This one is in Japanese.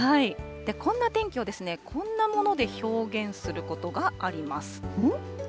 こんな天気を、こんなもので表現することがあります。